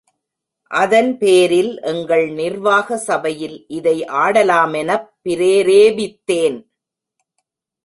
அதன்பேரில் எங்கள் நிர்வாக சபையில் இதை ஆடலாமெனப் பிரேரேபித்தேன்.